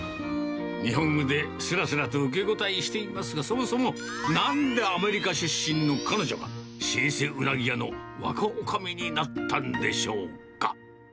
日本語ですらすらと受け答えしていますが、そもそも、なんでアメリカ出身の彼女が、老舗うなぎ屋の若おかみになったんでしょうか。